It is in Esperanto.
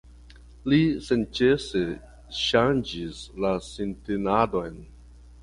Li senĉese ŝanĝis la sintenadon.